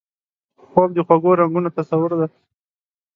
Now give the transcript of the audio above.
خوب د خوږو رنګونو تصور دی